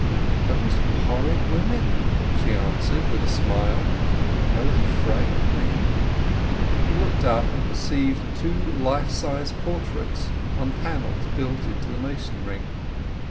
"Those horrid women!" she answered with a smile. "How they frightened me." He looked up, and perceived two life size portraits on panels built into the masonry.